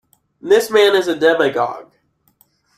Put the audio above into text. This man is a demagogue.